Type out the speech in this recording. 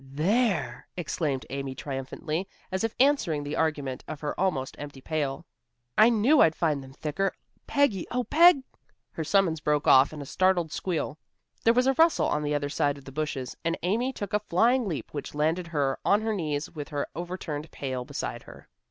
"There!" exclaimed Amy triumphantly, as if answering the argument of her almost empty pail. "I knew I'd find them thicker. Peggy oh, Peg " Her summons broke off in a startled squeal. There was a rustle on the other side of the bushes, and Amy took a flying leap which landed her on her knees with her overturned pail beside her.